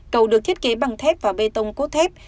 cầu được thiết kế bằng thép và bê tông cốt thép